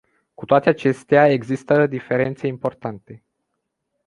Cu toate acestea, există diferențe importante.